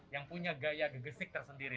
yang punya gaya gegesik tersendiri